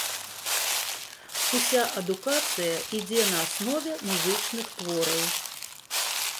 Уся адукацыя ідзе на аснове музычных твораў.